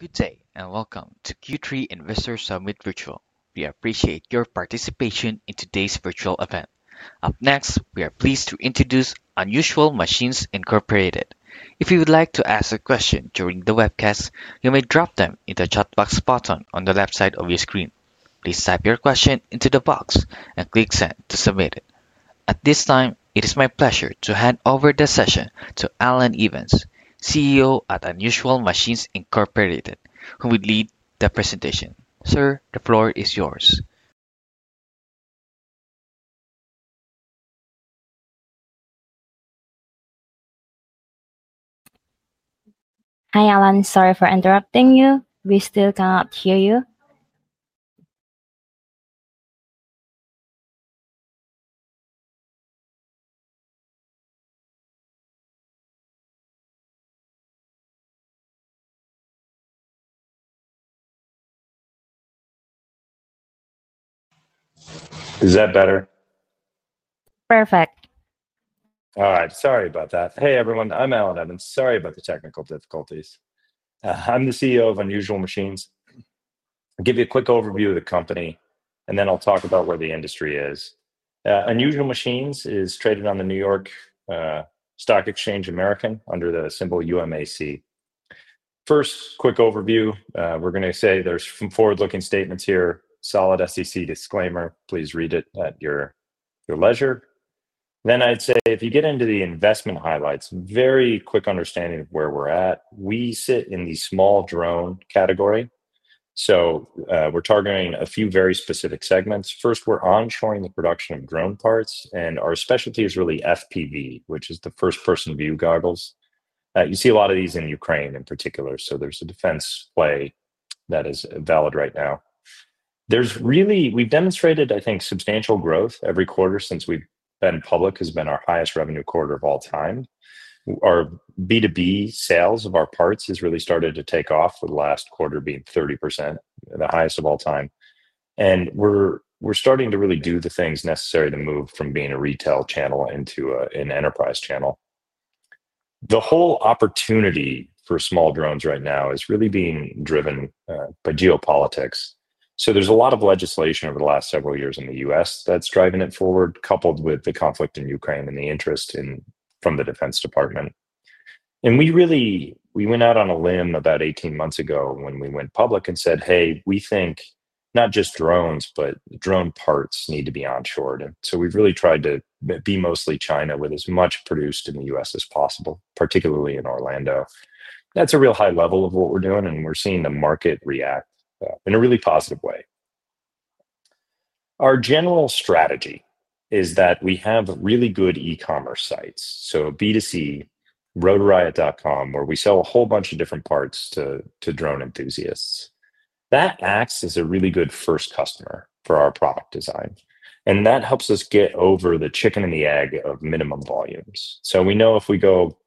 Good day, and welcome to Q3 Investor Summit Virtual. We appreciate your participation in today's virtual event. Up next, we are pleased to introduce Unusual Machines Incorporated. If you would like to ask a question during the webcast, you may drop them in the chat box button on the left side of your screen. Please type your question into the box and click "Send" to submit it. At this time, it is my pleasure to hand over the session to Allan Evans, CEO at Unusual Machines Incorporated, who will lead the presentation. Sir, the floor is yours. Hi, Allan. Sorry for interrupting you. We still cannot hear you. Is that better? Perfect. All right. Sorry about that. Hey, everyone. I'm Allan Evans. Sorry about the technical difficulties. I'm the CEO of Unusual Machines. I'll give you a quick overview of the company, and then I'll talk about where the industry is. Unusual Machines is traded on the New York Stock Exchange American under the symbol UMAC. First, quick overview, we're going to say there's some forward-looking statements here. Solid SEC disclaimer. Please read it at your leisure. If you get into the investment highlights, very quick understanding of where we're at. We sit in the small drone category. We're targeting a few very specific segments. First, we're onshoring the production of drone parts, and our specialty is really FPV, which is the first-person view goggles. You see a lot of these in Ukraine in particular. There's a defense play that is valid right now. We've demonstrated, I think, substantial growth every quarter since we've been public. It's been our highest revenue quarter of all time. Our B2B sales of our parts have really started to take off, with the last quarter being 30%, the highest of all time. We're starting to really do the things necessary to move from being a retail channel into an enterprise channel. The whole opportunity for small drones right now is really being driven by geopolitics. There's a lot of legislation over the last several years in the U.S. that's driving it forward, coupled with the conflict in Ukraine and the interest from the Defense Department. We went out on a limb about 18 months ago when we went public and said, "Hey, we think not just drones, but drone parts need to be onshored." We've really tried to be mostly China, with as much produced in the U.S. as possible, particularly in Orlando. That's a real high level of what we're doing, and we're seeing the market react in a really positive way. Our general strategy is that we have really good e-commerce sites. B2C, rotorriot.com, where we sell a whole bunch of different parts to drone enthusiasts. That acts as a really good first customer for our product design. That helps us get over the chicken and the egg of minimum volumes. We know if we go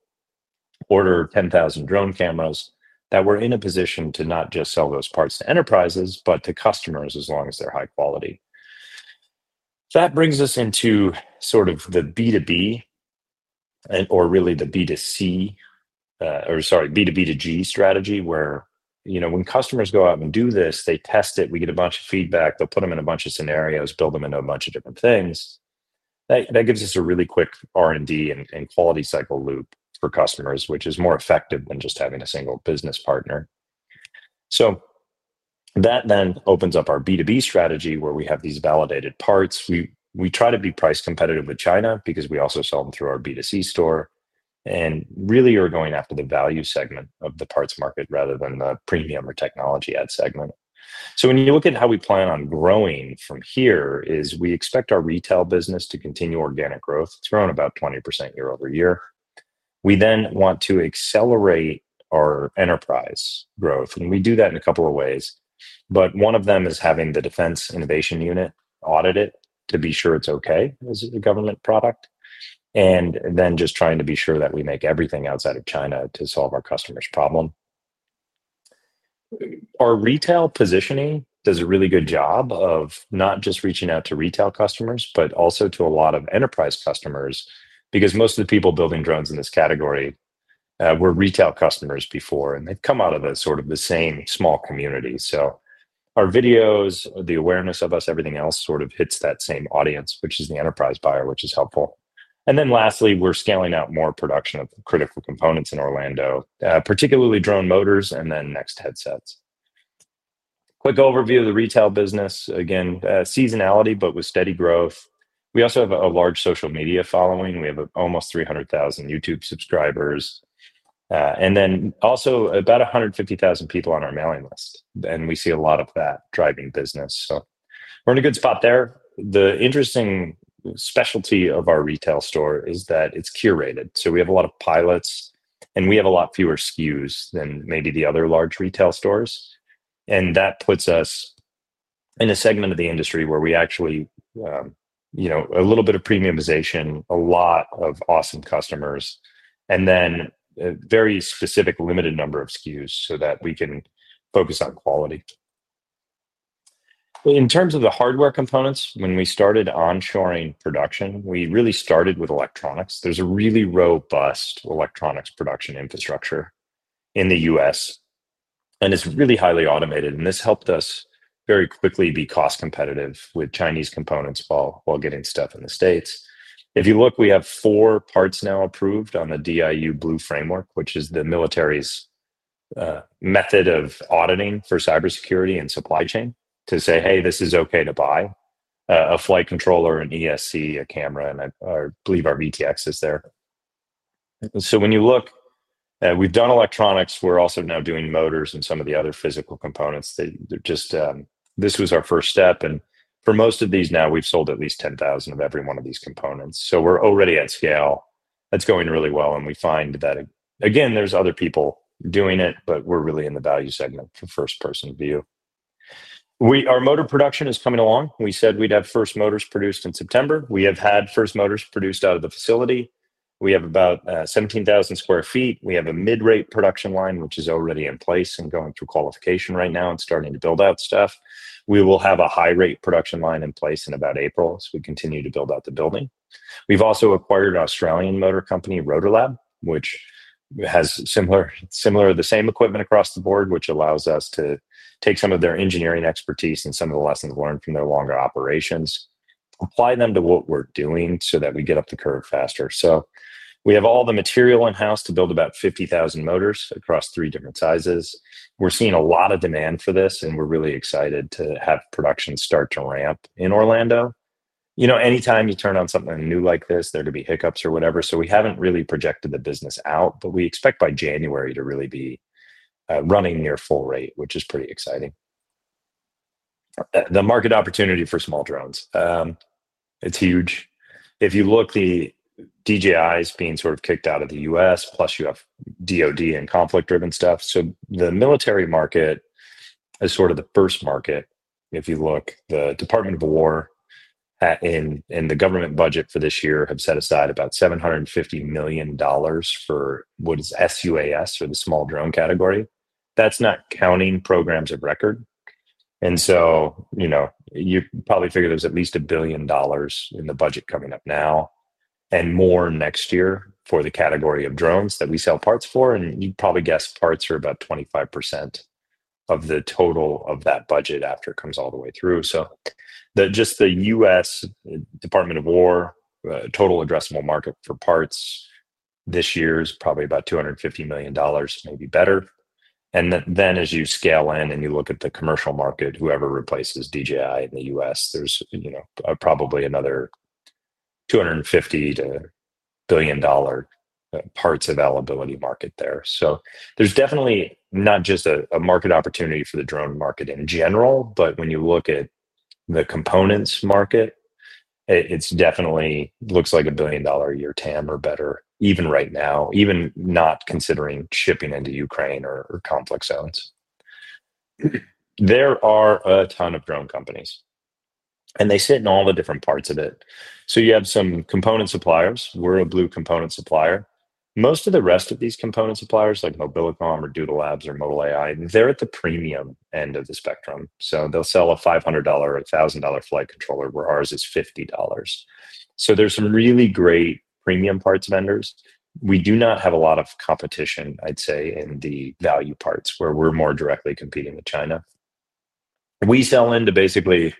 order 10,000 drone cameras, that we're in a position to not just sell those parts to enterprises, but to customers as long as they're high quality. That brings us into the B2B, or really the B2C, or sorry, B2B2G strategy, where when customers go out and do this, they test it, we get a bunch of feedback, they'll put them in a bunch of scenarios, build them into a bunch of different things. That gives us a really quick R&D and quality cycle loop for customers, which is more effective than just having a single business partner. That then opens up our B2B strategy, where we have these validated parts. We try to be price competitive with China because we also sell them through our B2C store. We're going after the value segment of the parts market rather than the premium or technology ad segment. When you look at how we plan on growing from here, we expect our retail business to continue organic growth. It's grown about 20% year-over-year. We then want to accelerate our enterprise growth. We do that in a couple of ways. One of them is having the Defense Innovation Unit audit it to be sure it's OK as a government product. We're just trying to be sure that we make everything outside of China to solve our customers' problem. Our retail positioning does a really good job of not just reaching out to retail customers, but also to a lot of enterprise customers. Most of the people building drones in this category were retail customers before, and they come out of the same small community. Our videos, the awareness of us, everything else hits that same audience, which is the enterprise buyer, which is helpful. Lastly, we're scaling out more production of critical components in Orlando, particularly drone motors and then next headsets. Quick overview of the retail business. Again, seasonality, but with steady growth. We also have a large social media following. We have almost 300,000 YouTube subscribers and about 150,000 people on our mailing list. We see a lot of that driving business. We're in a good spot there. The interesting specialty of our retail store is that it's curated. We have a lot of pilots, and we have a lot fewer SKUs than maybe the other large retail stores. That puts us in a segment of the industry where we actually have a little bit of premiumization, a lot of awesome customers, and then a very specific limited number of SKUs so that we can focus on quality. In terms of the hardware components, when we started onshoring production, we really started with electronics. There's a really robust electronics production infrastructure in the U.S., and it's really highly automated. This helped us very quickly be cost competitive with Chinese components while getting stuff in the States. If you look, we have four parts now approved on a DIU Blue framework, which is the military's method of auditing for cybersecurity and supply chain to say, "Hey, this is OK to buy." A flight controller, an ESC, a camera, and I believe our VTX is there. When you look, we've done electronics. We're also now doing motors and some of the other physical components. This was our first step. For most of these now, we've sold at least 10,000 of every one of these components, so we're already at scale. That's going really well. We find that, again, there's other people doing it, but we're really in the value segment for first-person view. Our motor production is coming along. We said we'd have first motors produced in September. We have had first motors produced out of the facility. We have about 17,000 sq ft. We have a mid-rate production line, which is already in place and going through qualification right now and starting to build out stuff. We will have a high-rate production line in place in about April as we continue to build out the building. We've also acquired an Australian motor company, Rotor Lab, which has similar, the same equipment across the board, which allows us to take some of their engineering expertise and some of the lessons learned from their longer operations, apply them to what we're doing so that we get up the curve faster. We have all the material in-house to build about 50,000 motors across three different sizes. We're seeing a lot of demand for this, and we're really excited to have production start to ramp in Orlando. Anytime you turn on something new like this, there could be hiccups or whatever. We haven't really projected the business out, but we expect by January to really be running near full rate, which is pretty exciting. The market opportunity for small drones, it's huge. If you look, DJI is being sort of kicked out of the U.S., plus you have DOD and conflict-driven stuff. The military market is sort of the first market. If you look, the Department of War and the government budget for this year have set aside about $750 million for what is SUAS, or the small drone category. That's not counting programs of record. You probably figure there's at least $1 billion in the budget coming up now and more next year for the category of drones that we sell parts for. You'd probably guess parts are about 25% of the total of that budget after it comes all the way through. Just the U.S. Department of War total addressable market for parts this year is probably about $250 million, maybe better. As you scale in and you look at the commercial market, whoever replaces DJI in the U.S., there's probably another $250 billion parts availability market there. There's definitely not just a market opportunity for the drone market in general, but when you look at the components market, it definitely looks like a $1 billion a year TAM or better, even right now, even not considering shipping into Ukraine or conflict zones. There are a ton of drone companies, and they sit in all the different parts of it. You have some component suppliers. We're a Blue component supplier. Most of the rest of these component suppliers, like Mobilicom or Doodle Labs or Mobile AI, they're at the premium end of the spectrum. They'll sell a $500 or $1,000 flight controller, where ours is $50. There are some really great premium parts vendors. We do not have a lot of competition, I'd say, in the value parts, where we're more directly competing with China. We sell into basically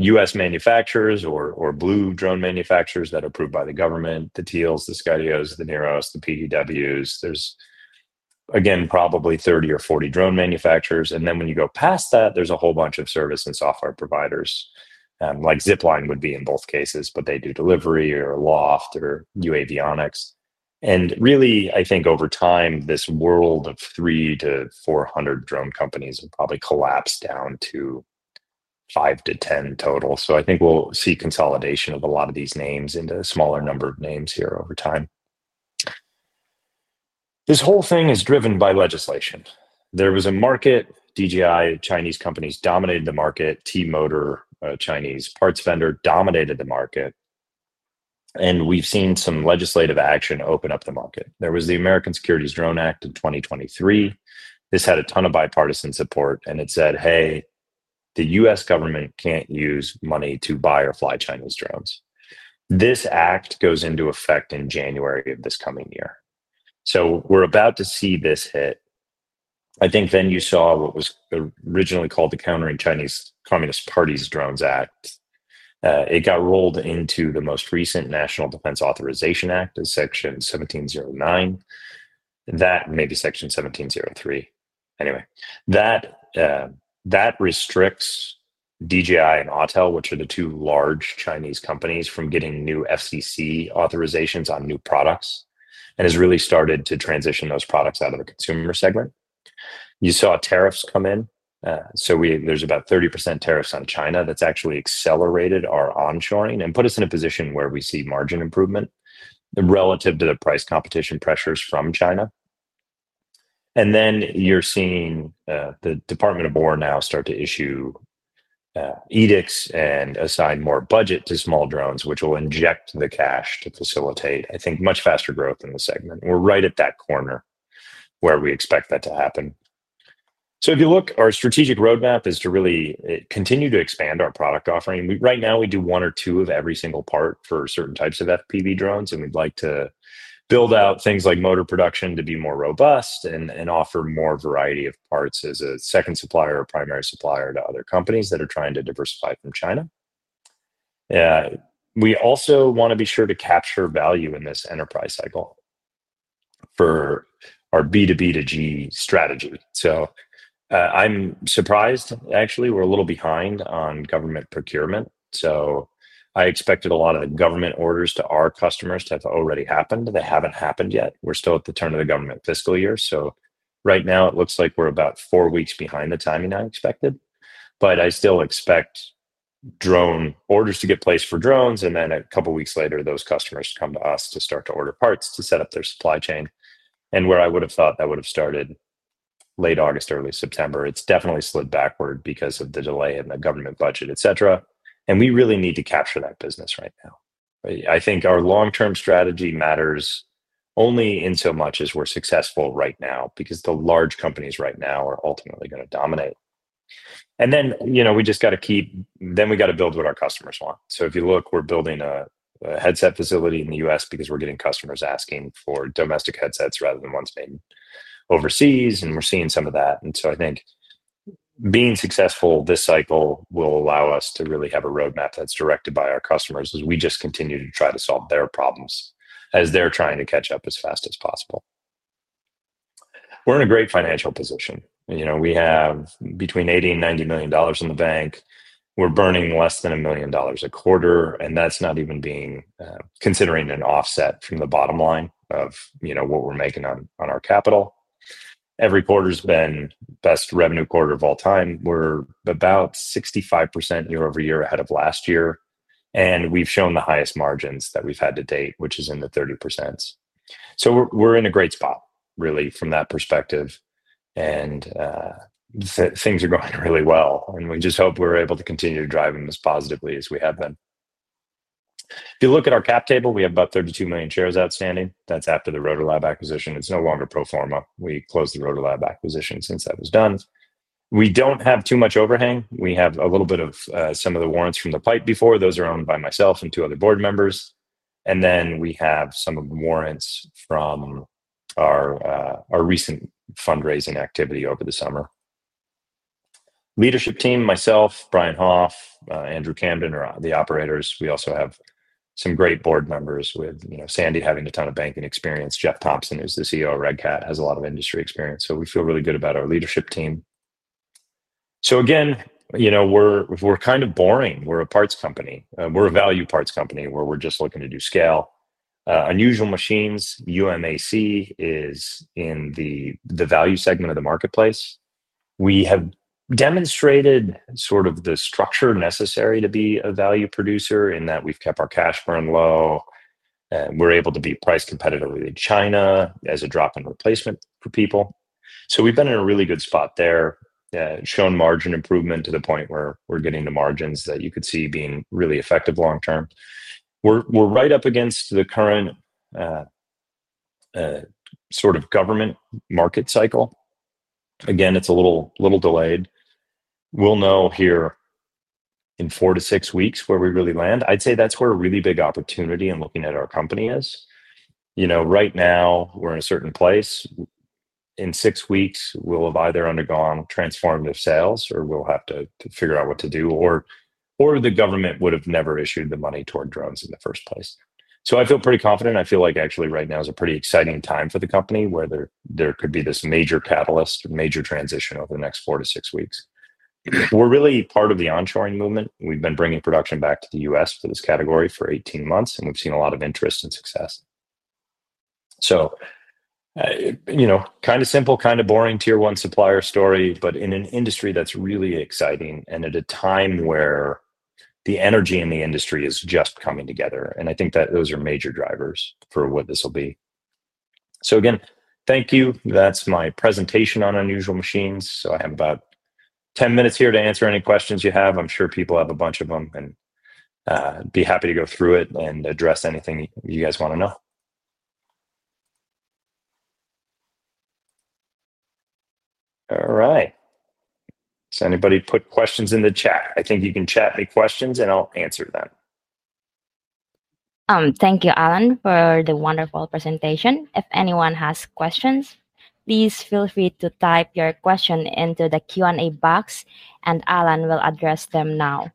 U.S. manufacturers or Blue drone manufacturers that are approved by the government, the TEALs, the Skydios, the NEROs, the PDWs. There's probably 30 or 40 drone manufacturers. When you go past that, there's a whole bunch of service and software providers, like Zipline would be in both cases, but they do delivery or LOFT or UAVionix. Over time, this world of 300 - 400 drone companies will probably collapse down to 5 - 10 total. I think we'll see consolidation of a lot of these names into a smaller number of names here over time. This whole thing is driven by legislation. There was a market. DJI, Chinese companies, dominated the market. T-Motor, a Chinese parts vendor, dominated the market. We've seen some legislative action open up the market. There was the American Security Drone Act in 2023. This had a ton of bipartisan support, and it said, "Hey, the U.S. government can't use money to buy or fly Chinese drones." This act goes into effect in January of this coming year. We're about to see this hit. I think then you saw what was originally called the Countering Chinese Communist Party's Drones Act. It got rolled into the most recent National Defense Authorization Act, Section 1709. That may be Section 1703. Anyway, that restricts DJI and Autel, which are the two large Chinese companies, from getting new FCC authorizations on new products and has really started to transition those products out of the consumer segment. You saw tariffs come in. There are about 30% tariffs on China that's actually accelerated our onshoring and put us in a position where we see margin improvement relative to the price competition pressures from China. You're seeing the Department of War now start to issue edicts and assign more budget to small drones, which will inject the cash to facilitate, I think, much faster growth in the segment. We're right at that corner where we expect that to happen. If you look, our strategic roadmap is to really continue to expand our product offering. Right now, we do one or two of every single part for certain types of FPV drones. We'd like to build out things like motor production to be more robust and offer more variety of parts as a second supplier or primary supplier to other companies that are trying to diversify from China. We also want to be sure to capture value in this enterprise cycle for our B2B2G strategy. I'm surprised, actually, we're a little behind on government procurement. I expected a lot of government orders to our customers to have already happened. They haven't happened yet. We're still at the turn of the government fiscal year. Right now, it looks like we're about four weeks behind the timing I expected. I still expect drone orders to get placed for drones. A couple of weeks later, those customers come to us to start to order parts to set up their supply chain. Where I would have thought that would have started late August, early September, it's definitely slid backward because of the delay in the government budget, et cetera. We really need to capture that business right now. I think our long-term strategy matters only in so much as we're successful right now because the large companies right now are ultimately going to dominate. We just got to keep, then we got to build what our customers want. If you look, we're building a headset facility in the United States because we're getting customers asking for domestic headsets rather than ones made overseas. We're seeing some of that. I think being successful this cycle will allow us to really have a roadmap that's directed by our customers as we just continue to try to solve their problems as they're trying to catch up as fast as possible. We're in a great financial position. We have between $80 million and $90 million in the bank. We're burning less than $1 million a quarter, and that's not even considering an offset from the bottom line of what we're making on our capital. Every quarter has been the best revenue quarter of all time. We're about 65% year-over-year ahead of last year, and we've shown the highest margins that we've had to date, which is in the 30% range. We're in a great spot, really, from that perspective, and things are going really well. We just hope we're able to continue driving this positively as we have been. If you look at our cap table, we have about 32 million shares outstanding. That's after the Rotor Lab acquisition. It's no longer pro forma. We closed the Rotor Lab acquisition since that was done. We don't have too much overhang. We have a little bit of some of the warrants from the PIPE before. Those are owned by myself and two other board members. We have some of the warrants from our recent fundraising activity over the summer. Leadership team, myself, Brian Hoff, Andrew Camden are the operators. We also have some great board members, with Sandy having a ton of banking experience. Jeff Thompson, who's the CEO of Red Cat, has a lot of industry experience. We feel really good about our leadership team. We're kind of boring. We're a parts company. We're a value parts company where we're just looking to do scale. Unusual Machines, UMAC, is in the value segment of the marketplace. We have demonstrated sort of the structure necessary to be a value producer in that we've kept our cash burn low. We're able to be price competitive with China as a drop-in replacement for people. We've been in a really good spot there, shown margin improvement to the point where we're getting the margins that you could see being really effective long term. We're right up against the current sort of government market cycle. It's a little delayed. We'll know here in four to six weeks where we really land. I'd say that's where a really big opportunity in looking at our company is. Right now, we're in a certain place. In six weeks, we'll have either undergone transformative sales or we'll have to figure out what to do, or the government would have never issued the money toward drones in the first place. I feel pretty confident. I feel like actually right now is a pretty exciting time for the company, where there could be this major catalyst, major transition over the next four to six weeks. We're really part of the onshoring movement. We've been bringing production back to the U.S. for this category for 18 months, and we've seen a lot of interest and success. Kind of simple, kind of boring tier one supplier story, but in an industry that's really exciting and at a time where the energy in the industry is just coming together. I think that those are major drivers for what this will be. Again, thank you. That's my presentation on Unusual Machines. I have about 10 minutes here to answer any questions you have. I'm sure people have a bunch of them and be happy to go through it and address anything you guys want to know. All right. Does anybody put questions in the chat? I think you can chat any questions, and I'll answer them. Thank you, Allan, for the wonderful presentation. If anyone has questions, please feel free to type your question into the Q&A box, and Allan will address them now.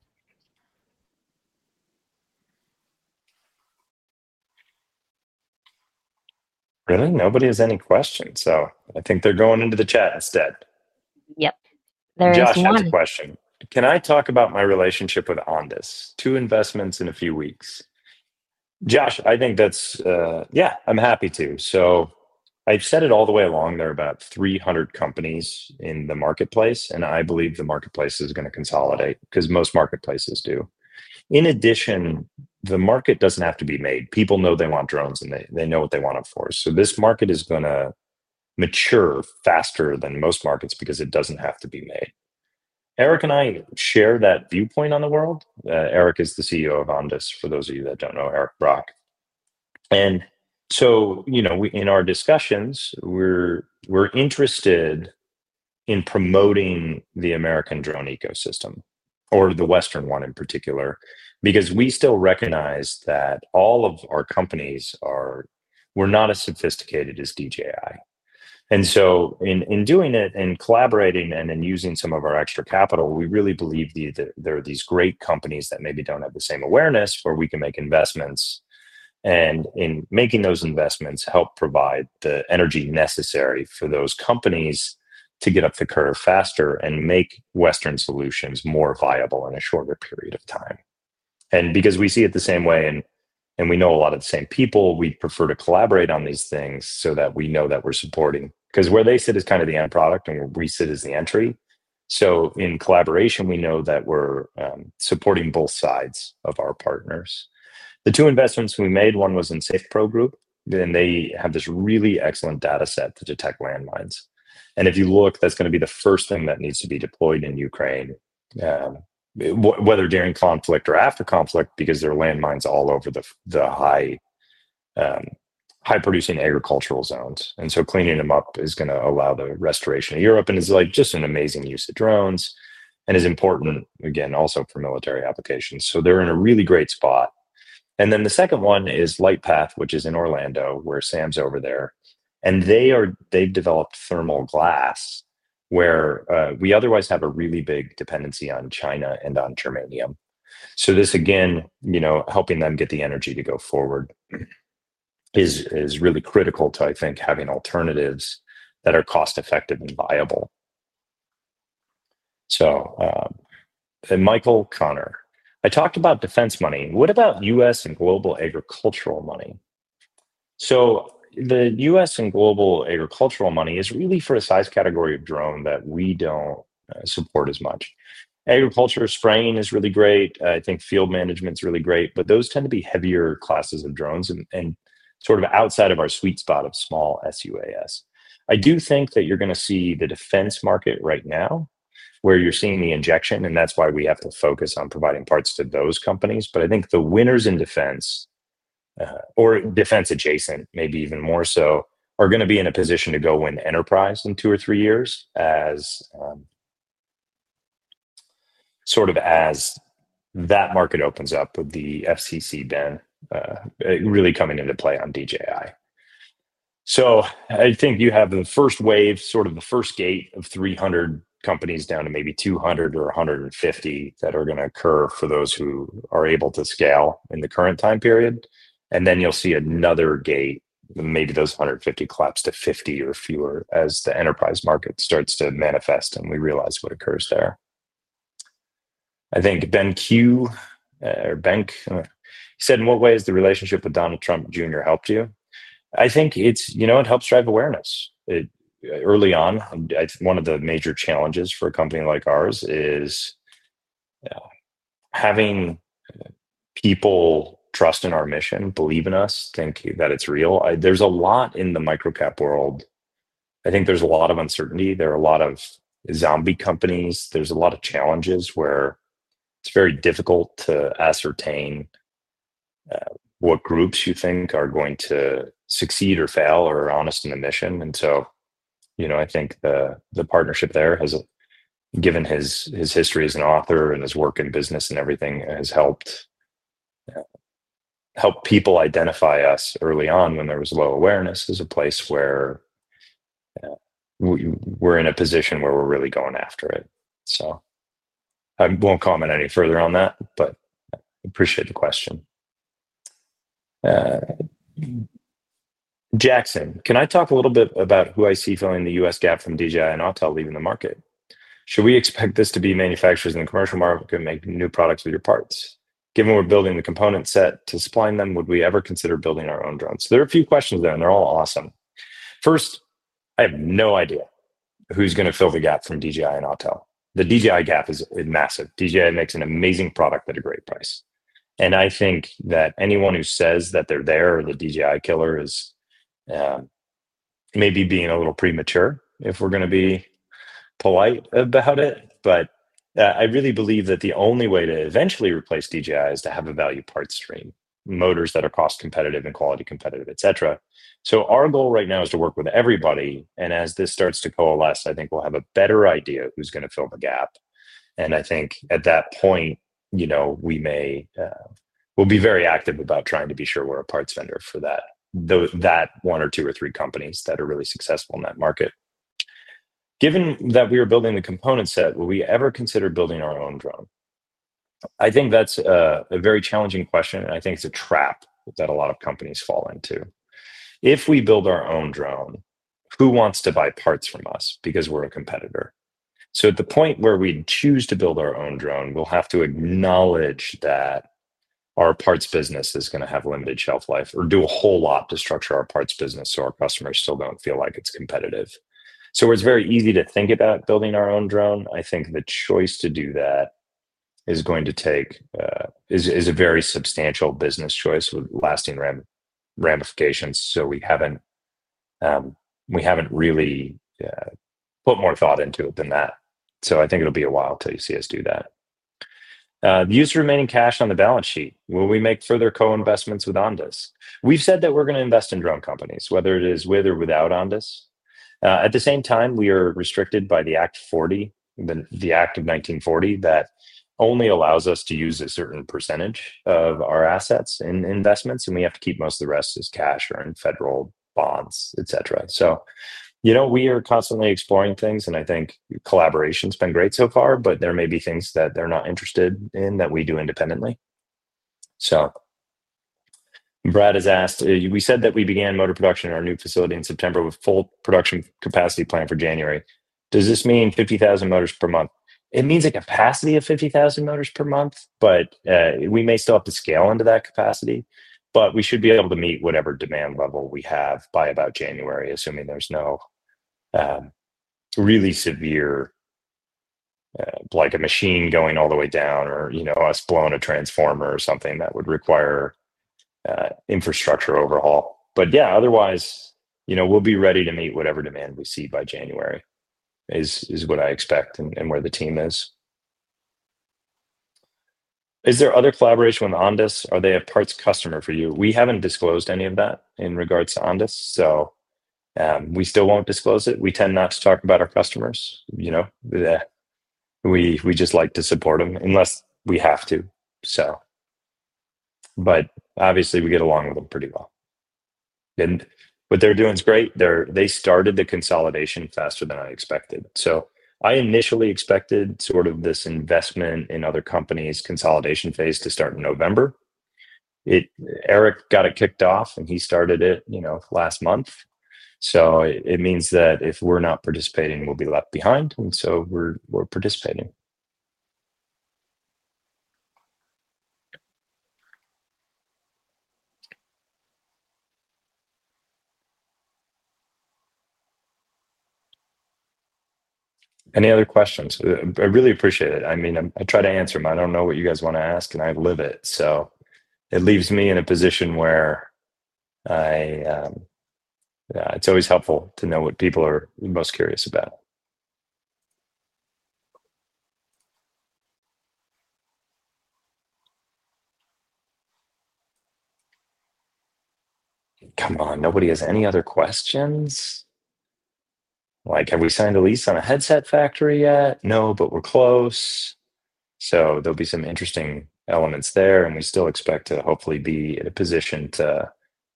Really? Nobody has any questions. I think they're going into the chat instead. Yep, there is one. Josh has a question. Can I talk about my relationship with ONDAS? Two investments in a few weeks. Josh, I think that's, yeah, I'm happy to. I've said it all the way along. There are about 300 companies in the marketplace, and I believe the marketplace is going to consolidate because most marketplaces do. In addition, the market doesn't have to be made. People know they want drones, and they know what they want them for. This market is going to mature faster than most markets because it doesn't have to be made. Eric and I share that viewpoint on the world. Eric is the CEO of ONDAS, for those of you that don't know, Eric Brock. In our discussions, we're interested in promoting the American drone ecosystem, or the Western one in particular, because we still recognize that all of our companies are, we're not as sophisticated as DJI. In doing it and collaborating and in using some of our extra capital, we really believe that there are these great companies that maybe don't have the same awareness where we can make investments. In making those investments help provide the energy necessary for those companies to get up the curve faster and make Western solutions more viable in a shorter period of time. We see it the same way, and we know a lot of the same people. We prefer to collaborate on these things so that we know that we're supporting, because where they sit is kind of the end product, and where we sit is the entry. In collaboration, we know that we're supporting both sides of our partners. The two investments we made, one was in Safe Pro Group. They have this really excellent data set to detect landmines. If you look, that's going to be the first thing that needs to be deployed in Ukraine, whether during conflict or after conflict, because there are landmines all over the high-producing agricultural zones. Cleaning them up is going to allow the restoration of Europe. It's just an amazing use of drones and is important, again, also for military applications. They're in a really great spot. The second one is LightPath Technologies, which is in Orlando, where Sam's over there. They developed thermal glass, where we otherwise have a really big dependency on China and on germanium. This, again, helping them get the energy to go forward is really critical to, I think, having alternatives that are cost-effective and viable. Michael Connor, I talked about defense money. What about U.S. and global agricultural money? The U.S. and global agricultural money is really for a size category of drone that we don't support as much. Agriculture spraying is really great. I think field management is really great. Those tend to be heavier classes of drones and sort of outside of our sweet spot of small SUAS. I do think that you're going to see the defense market right now where you're seeing the injection. That's why we have to focus on providing parts to those companies. I think the winners in defense, or defense adjacent, maybe even more so, are going to be in a position to go win enterprise in two or three years as that market opens up with the FCC then really coming into play on DJI. I think you have the first wave, sort of the first gate of 300 companies down to maybe 200 or 150 that are going to occur for those who are able to scale in the current time period. You'll see another gate, maybe those 150 collapse to 50 or fewer as the enterprise market starts to manifest and we realize what occurs there. I think Ben Q or Ben said, in what ways the relationship with Donald Trump Jr. helped you? I think it helps drive awareness. Early on, I think one of the major challenges for a company like ours is having people trust in our mission, believe in us, think that it's real. There's a lot in the micro-cap world. I think there's a lot of uncertainty. There are a lot of zombie companies. There's a lot of challenges where it's very difficult to ascertain what groups you think are going to succeed or fail or are honest in the mission. I think the partnership there, given his history as an author and his work in business and everything, has helped people identify us early on when there was low awareness as a place where we're in a position where we're really going after it. I won't comment any further on that, but I appreciate the question. Jackson, can I talk a little bit about who I see filling the U.S. gap from DJI and Autel leaving the market? Should we expect this to be manufacturers in the commercial market who make new products with your parts? Given we're building the component set to supply them, would we ever consider building our own drones? There are a few questions there, and they're all awesome. First, I have no idea who's going to fill the gap from DJI and Autel. The DJI gap is massive. DJI makes an amazing product at a great price. I think that anyone who says that they're there or the DJI killer is maybe being a little premature if we're going to be polite about it. I really believe that the only way to eventually replace DJI is to have a value parts stream, motors that are cost competitive and quality competitive, et cetera. Our goal right now is to work with everybody. As this starts to coalesce, I think we'll have a better idea who's going to fill the gap. At that point, we'll be very active about trying to be sure we're a parts vendor for that, those one or two or three companies that are really successful in that market. Given that we are building the component set, will we ever consider building our own drone? I think that's a very challenging question, and I think it's a trap that a lot of companies fall into. If we build our own drone, who wants to buy parts from us because we're a competitor? At the point where we choose to build our own drone, we'll have to acknowledge that our parts business is going to have limited shelf life or do a whole lot to structure our parts business so our customers still don't feel like it's competitive. It's very easy to think about building our own drone. I think the choice to do that is going to take, is a very substantial business choice with lasting ramifications. We haven't really put more thought into it than that. I think it'll be a while till you see us do that. Use the remaining cash on the balance sheet. Will we make further co-investments with ONDAS? We've said that we're going to invest in drone companies, whether it is with or without ONDAS. At the same time, we are restricted by the Act of 1940 that only allows us to use a certain % of our assets in investments. We have to keep most of the rest as cash or in federal bonds, et cetera. We are constantly exploring things, and I think collaboration has been great so far, but there may be things that they're not interested in that we do independently. Brad has asked, we said that we began motor production in our new facility in September with full production capacity planned for January? Does this mean 50,000 motors per month? It means a capacity of 50,000 motors per month, but we may still have to scale into that capacity. We should be able to meet whatever demand level we have by about January, assuming there's no really severe, like a machine going all the way down or us blowing a transformer or something that would require infrastructure overhaul. Otherwise, we'll be ready to meet whatever demand we see by January is what I expect and where the team is. Is there other collaboration with ONDAS? Are they a parts customer for you? We haven't disclosed any of that in regards to ONDAS. We still won't disclose it. We tend not to talk about our customers. We just like to support them unless we have to. Obviously, we get along with them pretty well. What they're doing is great. They started the consolidation faster than I expected. I initially expected sort of this investment in other companies' consolidation phase to start in November. Eric got it kicked off, and he started it last month. It means that if we're not participating, we'll be left behind. We're participating. Any other questions? I really appreciate it. I try to answer them. I don't know what you guys want to ask, and I live it. It leaves me in a position where it's always helpful to know what people are most curious about. Come on. Nobody has any other questions? Like, have we signed a lease on a headset factory yet? No, but we're close. There'll be some interesting elements there. We still expect to hopefully be in a position to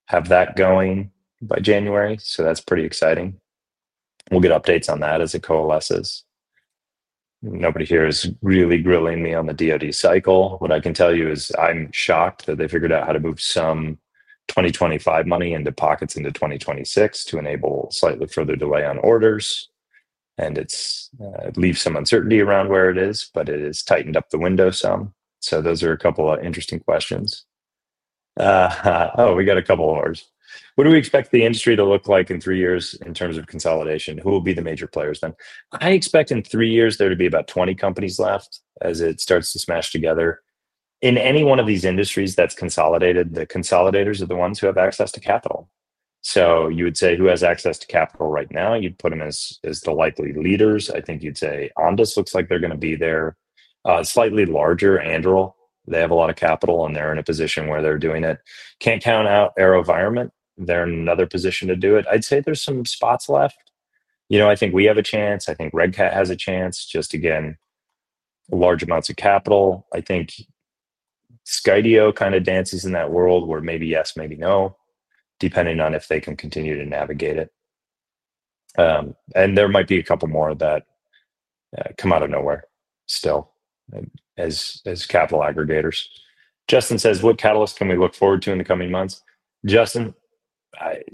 have that going by January. That's pretty exciting. We'll get updates on that as it coalesces. Nobody here is really grilling me on the DOD cycle. What I can tell you is I'm shocked that they figured out how to move some 2025 money into pockets into 2026 to enable slightly further delay on orders. It leaves some uncertainty around where it is, but it has tightened up the window some. Those are a couple of interesting questions. Oh, we got a couple of ours. What do we expect the industry to look like in three years in terms of consolidation? Who will be the major players then? I expect in three years there to be about 20 companies left as it starts to smash together. In any one of these industries that's consolidated, the consolidators are the ones who have access to capital. You would say who has access to capital right now? You'd put them as the likely leaders. I think you'd say ONDAS looks like they're going to be there. Slightly larger, Anduril, they have a lot of capital, and they're in a position where they're doing it. Can't count out AeroVironment. They're in another position to do it. I'd say there's some spots left. I think we have a chance. I think Red Cat has a chance just to get large amounts of capital. I think Skydio kind of dances in that world where maybe yes, maybe no, depending on if they can continue to navigate it. There might be a couple more that come out of nowhere still as capital aggregators. Justin says, what catalyst can we look forward to in the coming months? Justin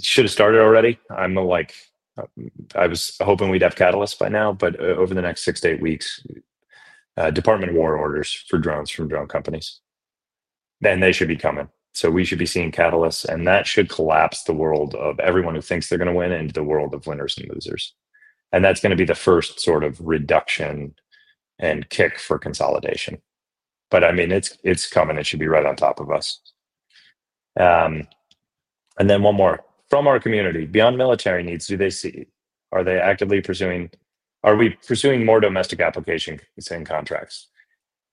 should have started already. I was hoping we'd have catalysts by now, but over the next six to eight weeks, Department of War orders for drones from drone companies. They should be coming. We should be seeing catalysts, and that should collapse the world of everyone who thinks they're going to win into the world of winners and losers. That's going to be the first sort of reduction and kick for consolidation. It is coming. It should be right on top of us. One more from our community. Beyond military needs, do they see? Are they actively pursuing? Are we pursuing more domestic application contracts?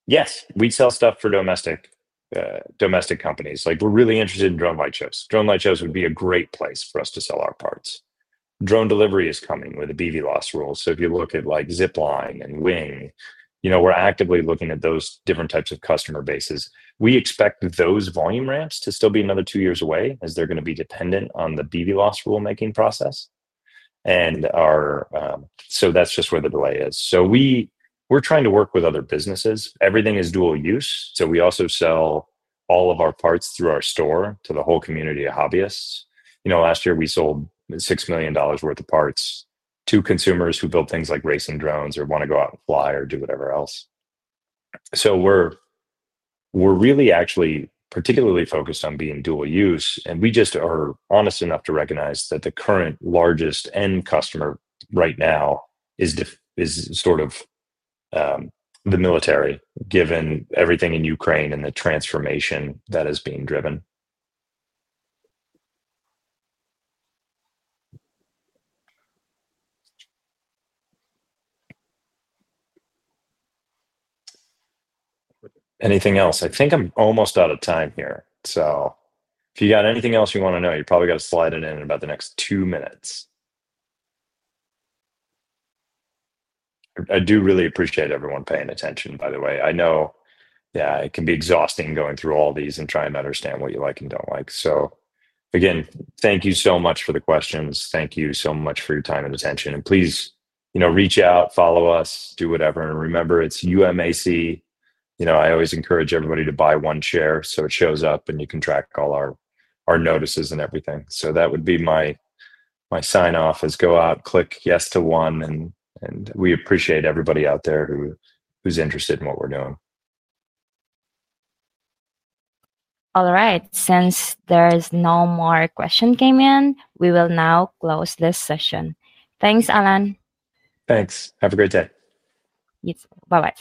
Yes, we sell stuff for domestic companies. We're really interested in drone light shows. Drone light shows would be a great place for us to sell our parts. Drone delivery is coming with the BVLOS rules. If you look at like Zipline and Wing, we're actively looking at those different types of customer bases. We expect those volume ramps to still be another two years away as they're going to be dependent on the BVLOS rule making process. That's just where the delay is. We're trying to work with other businesses. Everything is dual use. We also sell all of our parts through our store to the whole community of hobbyists. Last year we sold $6 million worth of parts to consumers who built things like racing drones or want to go out and fly or do whatever else. We're really actually particularly focused on being dual use. We just are honest enough to recognize that the current largest end customer right now is sort of the military, given everything in Ukraine and the transformation that is being driven. Anything else? I think I'm almost out of time here. If you got anything else you want to know, you probably got to slide it in about the next two minutes. I do really appreciate everyone paying attention, by the way. I know it can be exhausting going through all these and trying to understand what you like and don't like. Thank you so much for the questions. Thank you so much for your time and attention. Please, you know, reach out, follow us, do whatever. Remember, it's UMAC. I always encourage everybody to buy one share so it shows up and you can track all our notices and everything. That would be my sign-off: go out, click yes to one. We appreciate everybody out there who's interested in what we're doing. All right. Since there is no more question came in, we will now close this session. Thanks, Allan. Thanks. Have a great day. You too. Bye-bye.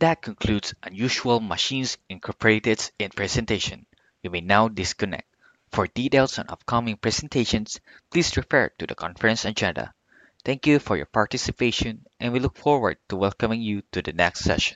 That concludes Unusual Machines Incorporated's presentation. We may now disconnect. For details on upcoming presentations, please refer to the conference agenda. Thank you for your participation, and we look forward to welcoming you to the next session.